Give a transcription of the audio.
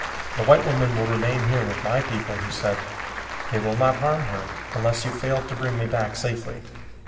"The white woman will remain here with my people," he said. "They will not harm her unless you fail to bring me back safely."